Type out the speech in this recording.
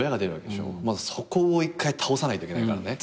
まずそこを一回倒さないといけないからね。